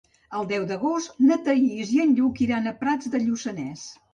El deu d'agost na Thaís i en Lluc iran a Prats de Lluçanès.